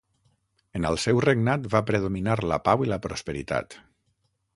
En el seu regnat va predominar la pau i la prosperitat.